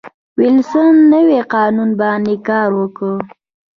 وېلسن نوي قانون باندې کار وکړ.